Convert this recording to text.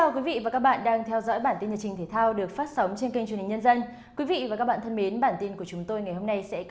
các bạn hãy đăng ký kênh để ủng hộ kênh của chúng mình nhé